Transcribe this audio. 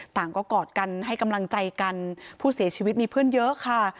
ต่างก็กอดกันให้กำลังใจกันผู้เสียชีวิตมีเพื่อนเยอะค่ะ